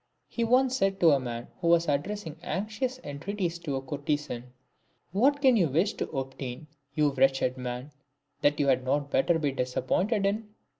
He once said to a man who was addressing anxious en treaties to a courtesan, " What can you wish to obtain, you wretched man, that you had not better be disappointed in